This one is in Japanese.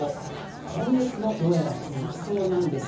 今月もどうやら続きそうなんです。